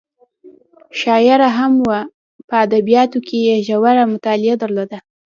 شاعره هم وه په ادبیاتو کې یې ژوره مطالعه درلوده.